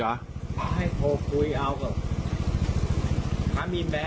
ให้โทษคุยเอา